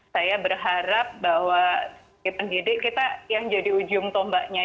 saya berharap bahwa pendidik kita yang jadi ujung tombaknya